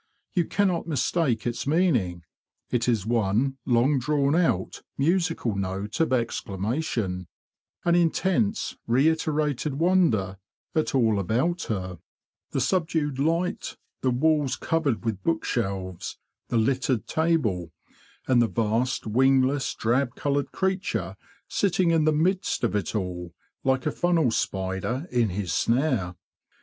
You cannot mistake its meaning; it is one long drawn out, musical note of exclamation, an intense, reiterated wonder at all about her—the THE UNBUSY BEE 179 subdued light, the walls covered with book shelves, the littered table, and the vast wingless, drab coloured creature sitting in the midst of it all, like a funnel spider in his snare.